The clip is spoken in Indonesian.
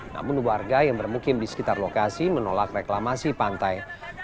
namun warga yang bermukim di sekitar lokasi menolak reklamasi pantai